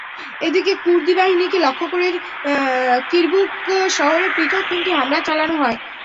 এদিকে কুর্দি বাহিনীকে লক্ষ্য করে কিরকুক শহরে পৃথক তিনটি হামলা চালানো হয়।